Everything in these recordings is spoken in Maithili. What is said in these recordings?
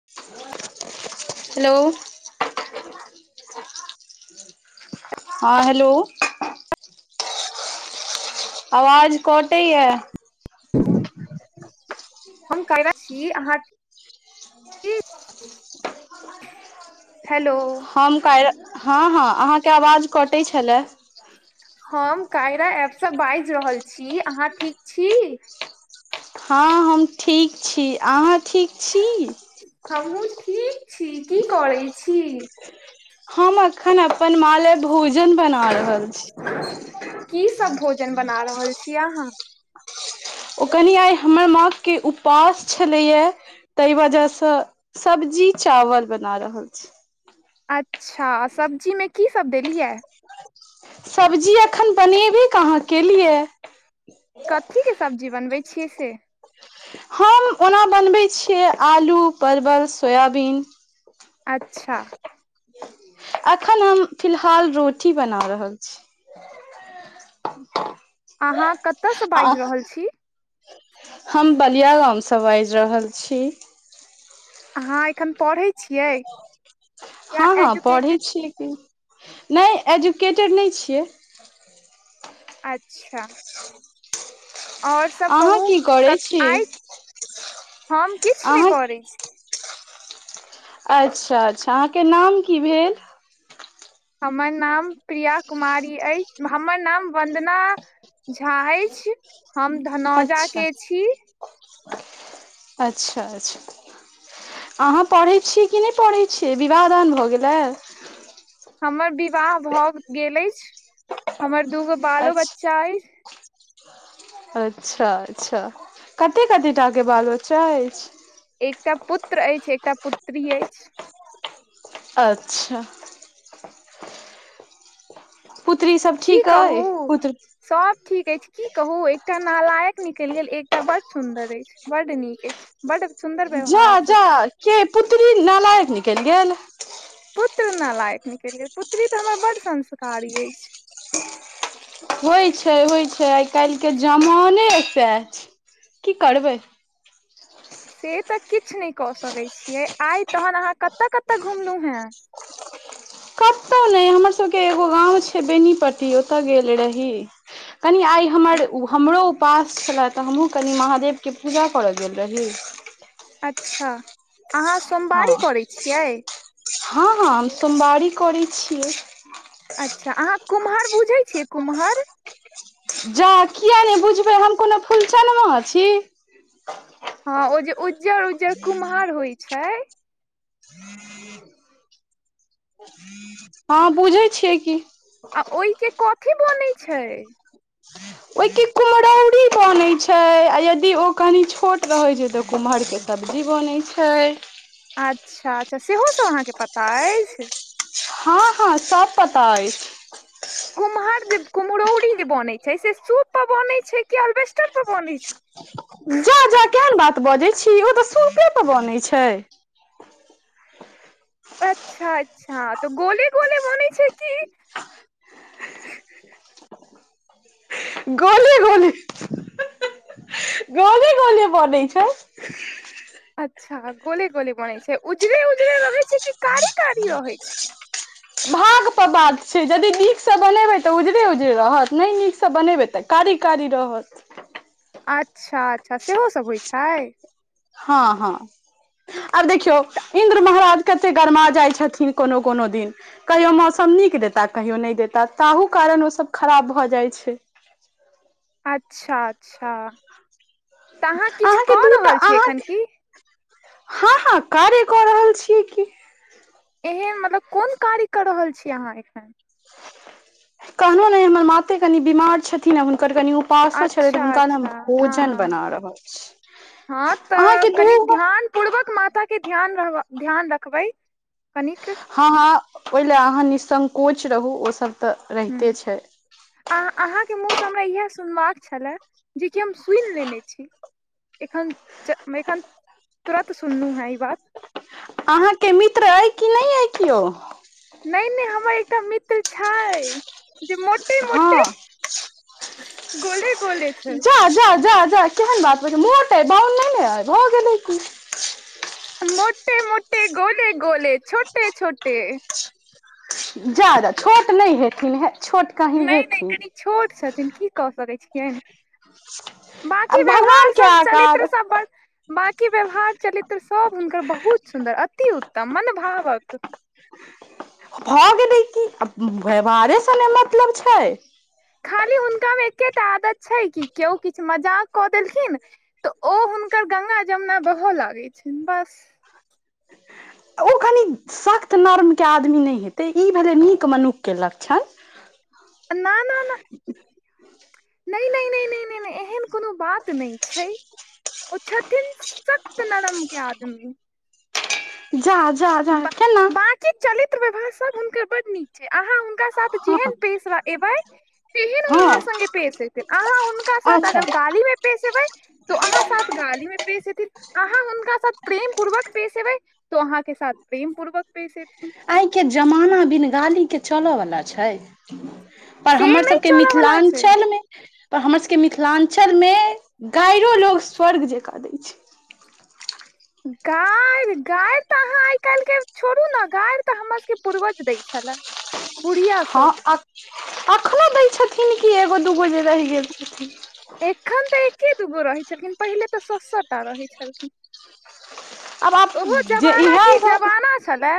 [unintelligible] हेलो [unintelligible] हँ हेलो आवाज कटैया। ह [inaudible] हम कने छी अहाँ [unintelligible] हेलो हम कैर हँ- हँ अहाँके आवाज कटै छलए। हम कायरा एपसँ बाजि रहल छी अहाँ ठीक छी। हँ हम ठीक छी, अहाँ ठीक छी। हमहूँ ठीक छी कि करै छी। हम अखन अपन माँ ले भोजन बना रहल छी। की सब भोजन बना रहल छी अहाँ। ओ कनि आइ हमर माँ के उपास छलैए तय वजह स सब्जी चावल बना रहल छी। अच्छा सब्जीमे की सब देलियैए। सब्जी अखन बनेबे कहाँ केलियैए। कथीके सब्जी बनबै छियै से। हम ओना बनबै छियै आलू परवल सोयाबीन अच्छा। अखन हम फिलहाल रोटी बना रहल छी। अहाँ कतऽ स आ बाइज रहल छी। हम बलिया गामसँ बाजि रहल छी। अहाँ एखन पढ़य छी। हँ- हँ पढ़ै एजुकेटेड छियै कि। नय एजुकेटेड नय छियै। अच्छा। [inaudible] और सब अहाँ कहू की करै क छी आइ हम किछ नहि अहाँ करय छी। अच्छा -अच्छा अहाँ के नाम की भेल। हमर नाम प्रिया कुमारी अय, हमर नाम वन्दना झा अइछ। हम धनौजा अच्छा के छी। अच्छा- अच्छा। अहाँ पढ़य छियै कि नय पढ़य छियै, विवाह दान भ गेले। हमर विवाह भ गेल अइछ। हमर दूगो बालो अच्छा बच्चा अइछ। अच्छा -अच्छा। कते कते टा के बाल बच्चा अइछ। एकटा पुत्र अइछ एकटा पुत्री अइछ। अच्छा। पुत्री सब की ठीक कहू अइ पुत्र सब ठीक अइछ, की कहू एकटा नालायक निकलि गेल एकटा बड़ सुंदर अइछ। बड नीक अइछ। बड सुंद जा- जा के पुत्री नालायक निकलि गेल। पुत्र नालायक निकलि गेल पुत्री त हमर बड संस्कारी अइछ। होय छय होय छय आइ काल्हिके जमाने सेह छय की करबय। से त किछ नय क सकय छियै। आय तखन अहाँ कत कत घुमलंहु एँ। केतौ नय हमर सबके एगो गाँव छय बेनीपट्टी ओतऽ गेल रही। कनी आइ हमर हमरो उपास छलै त हमहूँ कनि महादेवके पूजा करऽ गेल रही। अच्छा अहाँ सो हँ हं हँ हम सोमवारी करै छि। अच्छा अहाँ कुम्हर बुझय छिये कुम्हर जा किय नै बुझबय हम कोनो फूलचनमा छी। हँ ओ जे उज्जर-उज्जर कुम्हर होए छय। हँ बुझय छिये की आ ओय के कथी बोनय छय। [unintelligible] ओए के कुम्हरौरी बनै छय आ यदि ओ कनि छोट रहै छय त कुम्हरके सब्जी बनै छय। अच्छा-अच्छा सेहो सब अहाँ के पता अइछ। हँ हँ सब पता अइछ कुम्हर जे कुम्हरौरीजे बनै छय से सूप पर बनै छय कि अलबेस्टर पर बनै छय। [unintelligible] जा-जा केहन बात बजै छी ओ तऽ सुपे पर बनै छय। अच्छा-अच्छा तऽ गोले-गोले बोनय छय की। [unintelligible] गोले-गोले गोले गोले बनै छय। अच्छा गोले-गोले बोनय छय। उजरे-उजरे रहै छै। कि कारी-कारी रहै छय। [unintelligible] भाग पर बात छै जदि नीक सँ बनेबै त उजरे-उजरे रहत नहि नीकसँ बनेबै त कारी-कारी रहत अच्छा-अच्छा सेहो सब होई छय। हँ हँ आब देखियौ तऽ इन्द्र महाराज कते गरमा जाइ छथिन कोनो-कोनो दिन कहियो मौसम नीक देता कहियो नहि देता ताहू कारण ओ सब खराब भऽ जाए छय। अच्छा अच्छा त अहाँ किछ अहाँके कऽ दूटा रहल छी एखन अहाँके की हँ हँ कार्य कऽ रहल छीयय की। एहन मतलब कोन कार्य कऽ रहल छी अहाँ एखन? कहलौं नहि हमर माते कनि बीमार छथिन आ हुनकर कनि उप पासो छलै तऽ अच्छा हुनका नऽ अच्छा हँ भोजन हँ बना रहल छी। हँ तऽ अहाँके कनिक दू ध्यान पूर्वक माताके ध्यान रहबा ध्यान रखबै कनिक। हँ हँ ओहिलै अहाँ निःसंकोच रहू ओसब तऽ रहिते छै। अ अहाँके मुँह सँ हमरा इहे सुनबाक छलै जेकि हम सुइन लेने छी। एखन चऽ में एखन तुरत सुननु हैं ई बात। अहाँके मित्र अइ कि नहि अइ कियो। नहि नहि हमर एकटा मित्र छय। जे मोटे-मोटे, हँ गोले-गोले छय। अ जा जा जा केहन बात बजै छी। मोट अइ बौन नेनऽ अइ भऽ गेलै कि मोटे-मोटे, गोले-गोले, छोटे-छोटे। जा जा छोट नहि हेथिन हे छोट कहीं नै नै हेथिन कनि छोट छथिन की कऽ सकय छियनि। आ बाॅंकी भगवान व्यवहार के सब, चलित्र आकार सब, बड़ बाॅंकी व्यवहार चलित्र सब हुनकर बहुत सुन्दर, अति उत्तम मनभावक भऽ गेलै की, आ व्यवहारेसँ ने मतलब छै। खाली हुनका मे एकेटा आदत छै, कि केओ किछु मजाक कऽ देलखिन तऽ ओ हुनकर गंगा-जमुना बहऽ लागै छनि बस। ओ कनि सख्त नर्मके आदमी नहि हेतै, ई भेलै नीक मनुखके लक्षण। ना -ना- ना नहि -नहि -नहि -नहि एहन कोनो बात नहि छै। ओ छथिन सख्त नरम के आदमी। जा- जा- जा केना? चि चलित्र व्यवहार सब हुॅंनकर बड्ड नीक छै, अहाँ हुॅंनका साथ हँ जेहेन पेश एबै तेहन ओ हँ अहाँ संगे पेश हेतै। अहाँ हुनका साथ अच्छा अगर गालीमे पेश ऐबै तो अहाँ साथ गाली में पेश ऐथिन, अहाँ हुनका साथ प्रेम पूर्वक पेश एबै तो अहाँके साथ प्रेम पूर्वक पेश ऐथिन। आइके जमाना बिन गालीके चलऽवला छै। पर से हमर नहि सबके चलऽ वाला छै मिथिलाञ्चल मे पर हमर सबके मिथिलांचल मे गायरो लोग स्वर्ग जकाँ दै छै। गारि -गारि तऽ अहाँ आइ काल्हि के छोड़ू ने, गारि तऽ हमर सबके पूर्वज दै छले। [inaudible] हँ सब एखनो दै छथिन कि, एगो दूगो जे रहि गेल छथिन। एखन तऽ एके दूगो रहै छलखिन। पहिले तऽ सौ -सौ टा रहै छलखिन। आब आब ओहो जे जमाना की इएह सब। जमाना छलए,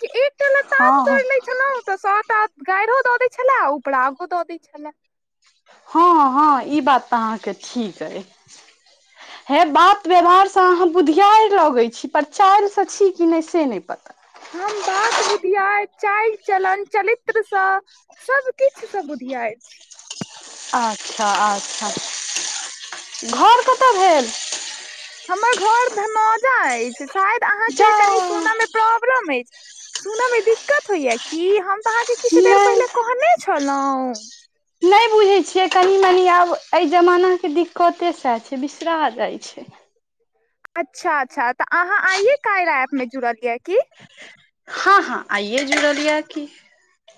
कि एकटा हँ लताम हँ तोड़ि लय छलों तऽ सौ ता गायरोदऽ दै छले, आ उपरागो दऽ दै छले। हँ- हँ ई बात तऽ अहाँके ठीक अइ। हे बात व्यवहारसँ अहाँ बुधियारि लगै छी, पर चालिसँ छी कि नहि से नहि पता। हम बात-बुधियैर, चाइल-चलन, चलित्रसँ सब किछु सऽ बुधियैर छि। अच्छा- अच्छा, घऽर कतऽ भेल? हमर घर धनौजा अछि, शायद जा अहाँके कनि सुनऽ मे प्रोब्लम अछि, सुनय मे दिक्कत होये की, हम तऽ अहाॅंके किछु देर नहि पहिले कहने छलहुँं। नहि बुझे छीये कनी-मनी आब अय जमाना के दिक्कते सेह छै, विसरा जाय छै। अच्छा -अच्छा तऽ अहाँ आये कायरा एप मे जुड़लये ये की। हँ- हँ आइये जुड़लिये की।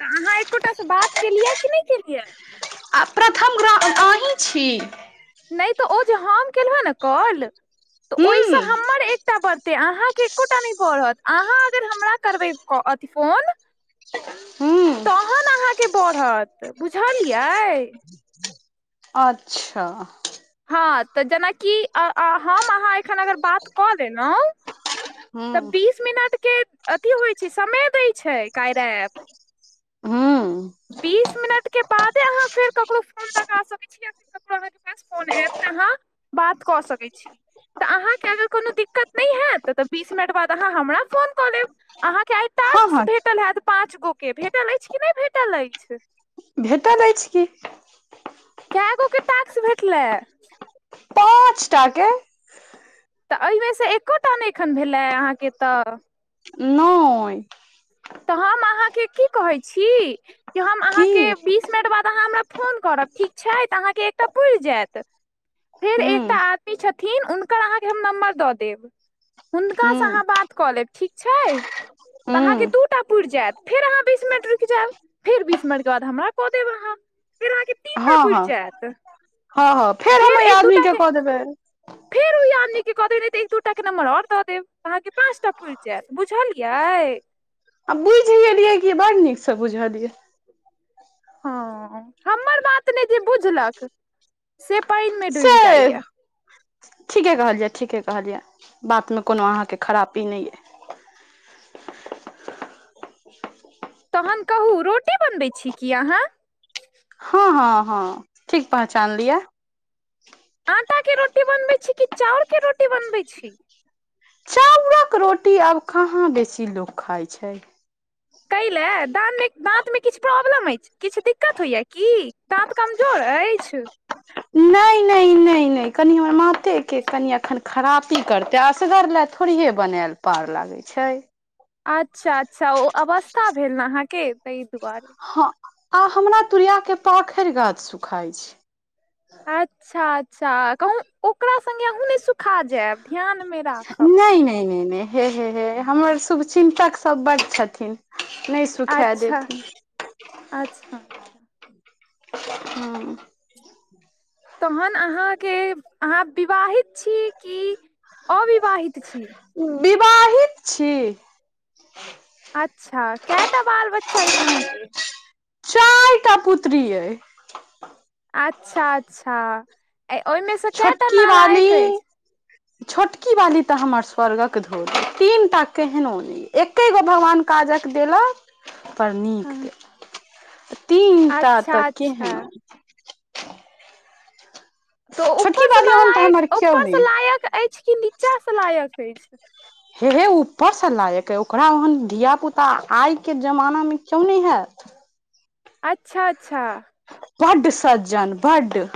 अहाँ एकोटास स बात केलियै कि नहि केलियै। आ प्रथम रा अहीँ छी। नहि तऽ ओ जे हम केलहु ने काॅल तऽ हूँ ओहिसँ हमर एकटा बर्त तऽ अहाँके एकोटा नहि बढ़त, दो अहाँ अगर हमरा करबै फोन। हू्ंउ तहन अहाँके बढ़त बुझलियै। अच्छा। हँ तऽ जेनाकि हम अहाँ एखन अगर बात कऽ लेलंहु। तऽ हूँ बीस मिनट के अथी होइ छै समय दै छै कायरा ऐप। हँ। बीस मिनटके बादे अहाँ फेर ककरो फोन लगा सकय छी। ककरो अहाँके पास फोन आयत तऽ अहाँ बात कऽ सकैत छी। तऽ अहाँके अगर कोनो दिक्कत नहि हेत तऽ बीस मिनट बाद अहाँ हमरा फोन क लेब अहाँ के आई हँ टास्क हँ भेटल हयत पाँच गो। कि भेटल अछि कि नहि भेटल अछि? भेटल अछि की। कए गो के टास्क भेटलै? पाँचटा के। तऽ एहिमेसँ एकोटा नहि एखन भेलै अहाँके तऽ। नय। तऽ हम अहाँके की कहै छी जे हम अहाँके की बीस मिनट बाद अहाँ हमरा फोन करब ठीक छैय तऽ अहाँकेँ एकटा पुड़ि जायत। फेर एकटा हूँ आदमी छथिन हुनकर अहाँके हम नम्बर दऽ देब। हुनकासँ अहाँ हूँ बात कऽ लेब ठीक छै। तऽ अहाँके हूँ दूटा पुरि जायत फेर अहाँ बीस मिनट रुकि जायब। फेर बीस मिनट के बाद हमरा कऽ देब अहाँ। फेर अहाँके तीन टा हँ पुरि हँ जायत हँ हँ। हम फेर ओहि एक आदमी दूटा के कऽ देबै फेर ओ आदमी के क देैब ने तऽ एक दूटा के नंबर आर देब अहाँ के पाँंच टा पुरि जायत बुझलियै? आ बुइझि गेलिए की बड नीक से बुझलियै। हँ हमर बात ने जे बुझलक से पानि मे डूइब से ठीके कहलियै ठीके कहलियै बात मे कोनो अहाँके खरापी नहि यै। तहन कहू रोटी बनबैत छी की अहाँ? हँ हँ हँ ठीक पहचान लियअ। आटा के रोटी बनबै छी कि चाउर के रोटी बनबै छी? चाउरक रोटी आब कहाँ बेसी लोक खाइ छै। कै लए दाँतमे किछु प्रॉब्लम अछि की? किछु दिक्कत होइया की? दाँत कमजोर अछि। नहि नहि नहि नहि कनि हमर मातेके कनि एखन खरापी करतै असगर लेतऽ थोड़िहे बनायल पार लागैत छै। अच्छा अच्छा ओ अवस्था भेल ने अहाँके ताहि दुआरे। ह आ हमरा तुुरिया के पाखरि गाछ सुखाइत छै। अच्छा अच्छा कहू ओकरा संग्गे अहूँ ने सुखा जायब। ध्यान मे राखब नहि नहि नहि नहि हे हे हे हमर शुभ चिन्तक सब बड छथिन। नहि सुखा अच्छा देथिन अच्छा। अच्छा हँ। तहन अहाँके अहाँ विवाहित छी कि अविवाहित छी? बिबाहित छी। अच्छा केटा बाल बच्चा अछि अहाँके? चारि टा पुत्री ऐ। अच्छा अच्छा ओहिमेसँ केएटा छोटकी नालायक वाली अछि? छोटकी बाली तऽ हमर स्वर्गक धोल ऐ तीन टा त केहजो नै। एकै गो भगवान काजक देलक पर नीक हँ, देलक। तीनटा त अच्छा अच्छा केहनो तऽ छोटकी उपरसँ वाली ओहन तऽ हमर नालायक केओ उपरसँ नहि लायक ऐछ कि निचा से लायक ऐछ? हे हे ऊपरसँ लायक ऐ ओकरा ओहन धियापुता आइके जमानामे कियो नै हैत। अच्छा अच्छा। बड सज्जन बड।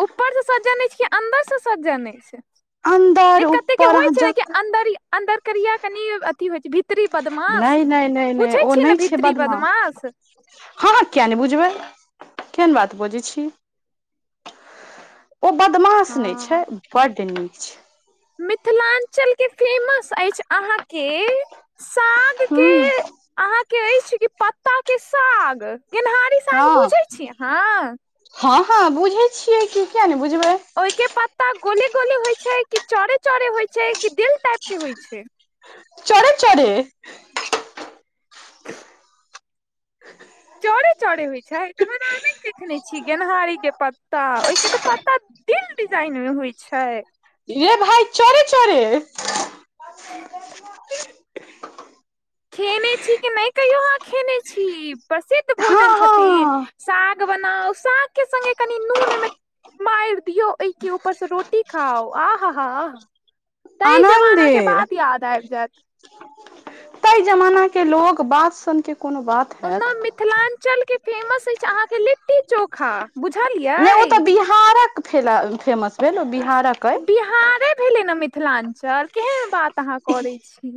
ऊपर सँ सज्जन ऐइछ कि अन्दर सँ सज्जन ऐछ। नै अन्दर कते के ऊपर होइ अहाँ छै ने जत अन्दरिया अन्दर करिया कनि अथि होइ छै भी नै नै नै नै ओ नै ने छै भीतरी बदमास। बदमाश हां हां किया नै बुझबै केहन बात बजै छी। ओ बदमाश नै छै बड निक छै। मिथिलांचल के फेमस ऐइछ अहाँके साग हू। के अहाँके ऐइछ कि पत्ता के साग। गेनहारी साग हँ बुझै छी अहाँ हँ ह बुझै छियै कि किया नै बुझबै। ओइके पत्ता गोले-गोले होइ छै कि चोरे-चोरे होइ छै कि दिल टाइप के होइ छै। चोरे चोरे। चोरे चोरे होइ छै तहन अहाँ नै देखने छी गेनहारी के पत्ता ओइके तऽ पत्ता तील डिजाइन मे होइ छै। रे भाइ चोरे-चोरे खेने छी कि नै कहियो अहाँ खेने छी प्रसिद्ध हँ भोजन छथिन। हँ साग बनाउ सागके संगे कनि नून ओइमे मारि दियौ ओइके ऊपर सँ रोटी खाउ आहा हा आहा। तै आनन्दे जमाना के बात याद आबि जेत। ऐ जमाना के लोग बात सन के कोनो बात हैत ओना मिथिलांचलके फेमस ऐछ अहाँके लिट्टी चोखा। नै ओ तऽ बुझलियै बिहारक फेला फेमस भेल ओ बिहारक अइ तऽ बिहारे भेलै न मिथिलांचल केहन बात अहाँ करै छी।